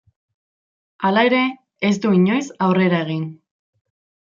Hala ere, ez du inoiz aurrera egin.